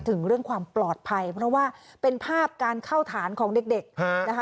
ถึงเรื่องความปลอดภัยเพราะว่าเป็นภาพการเข้าฐานของเด็กนะคะ